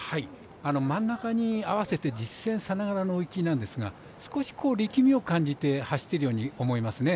真ん中に合わせて実戦さながらの追い切りなんですが少し力みを感じて走っているように思いますね。